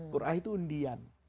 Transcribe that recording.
qur'ah itu undian